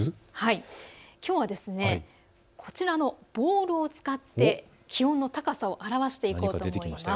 きょうは、こちらのボールを使って気温の高さを表していこうと思います。